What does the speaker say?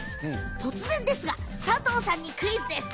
突然ですが佐藤さんにクイズです。